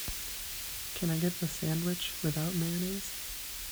Can I get the sandwich without mayonnaise?